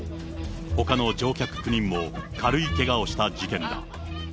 ほかの乗客９人も軽いけがをした事件だ。